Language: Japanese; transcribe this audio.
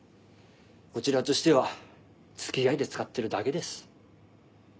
こちらとしては付き合いで使ってるだけです。